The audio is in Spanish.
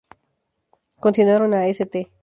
Continuaron a St.